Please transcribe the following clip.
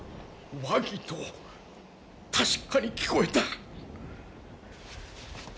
和議と確かに聞こえた。